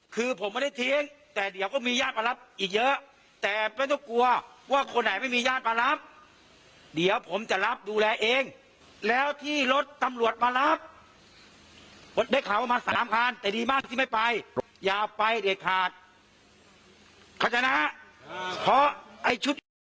กระทุดที่ทำให้พวกคุณเป็นเวรินิส